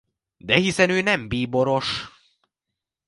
De hiszen ő nem bíboros!